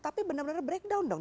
tapi benar benar breakdown dong